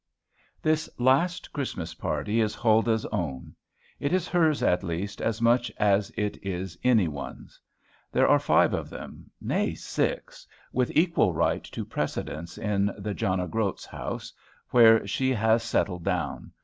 This last Christmas party is Huldah's own. It is hers, at least, as much as it is any one's. There are five of them, nay, six, with equal right to precedence in the John o' Groat's house, where she has settled down.